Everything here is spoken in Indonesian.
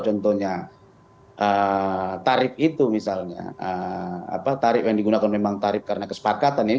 contohnya tarif itu misalnya apa tarif yang digunakan memang tarif karena kesepakatan ini